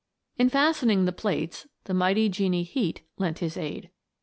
In fastening the plates, the mighty genie Heat lent his aid.